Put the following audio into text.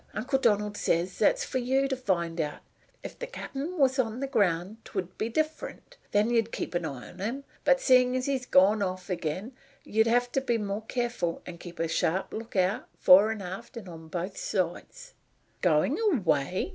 Uncle Donald says that's for you to find out. If the cap'n was to be on the ground, t'would be different. Then you'd keep an eye on him; but, seein' as he is goin' off again, you'll have to be more careful and keep a sharp lookout, fore and aft and on both sides." "Going away!"